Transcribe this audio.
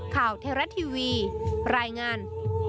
ข่าวเทราะทีวีรายงาน